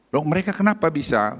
loh mereka kenapa bisa